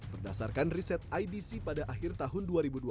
berdasarkan riset idc pada akhir tahun dua ribu dua puluh